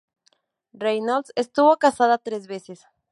Reynolds estuvo casada tres veces.